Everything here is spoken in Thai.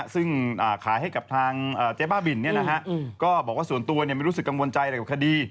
ซึ่งขายให้กับทางเจ๊บ้าบินก็บอกว่าส่วนตัวไม่รู้สึกกังวลใจอะไรกับคดี